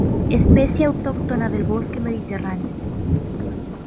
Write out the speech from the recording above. Especie autóctona del bosque mediterráneo.